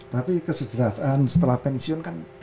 tapi kesejahteraan setelah pensiun kan